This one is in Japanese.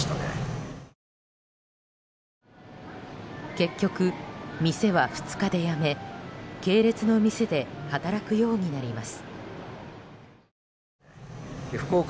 結局、店は２日で辞め系列の店で働くようになります。